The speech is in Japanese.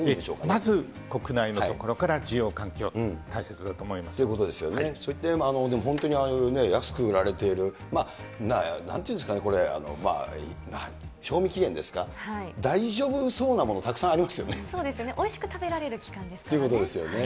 まず、国内のところから需要そういうことですよね、そういった意味でも、ああいうね、安く売られている、なんていうんですかね、賞味期限ですか、大丈夫そうなもの、たくさんありそうですよね、おいしく食べられる期間ですからね。ということですよね。